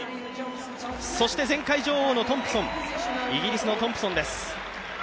そして前回女王のイギリスのトンプソンです。